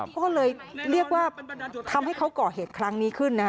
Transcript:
ก็เลยเรียกว่าทำให้เขาก่อเหตุครั้งนี้ขึ้นนะฮะ